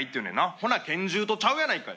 ほな拳銃とちゃうやないかい。